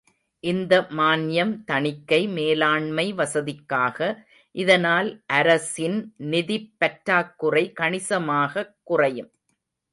இந்த மான்யம் தணிக்கை மேலாண்மை வசதிக்காக, இதனால் அரசின் நிதிப் பற்றாக்குறை கணிசமாகக் குறையும்.